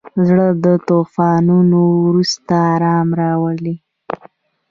زړه د طوفانونو وروسته ارام راولي.